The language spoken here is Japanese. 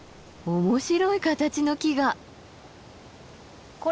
面白い形の木が。